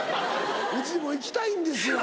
うちも行きたいんですよ。